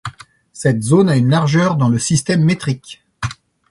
Cette zone a une largeur de dans le système métrique.